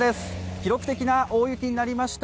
記録的な大雪になりました。